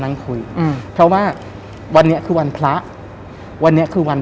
นั่งคุยอืมเพราะว่าวันนี้คือวันพระวันนี้คือวัน